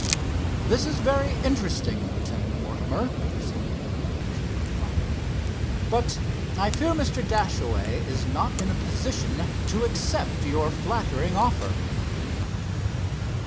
"This is very interesting, Lieutenant Mortimer," said the manufacturer finally, "but I fear Mr. Dashaway is not in a position to accept your flattering offer."